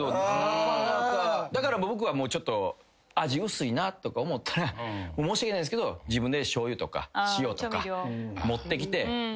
だから僕はちょっと味薄いなとか思ったら申し訳ないっすけど自分でしょうゆとか塩とか持ってきて彼女の目の前で。